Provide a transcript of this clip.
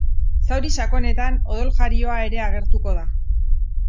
Zauri sakonetan odoljarioa ere agertuko da.